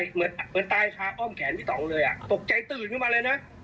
เหมือนตายชาอ้อมแขนพี่ต่องเลยอ่ะตกใจตื่นขึ้นมาเลยนะ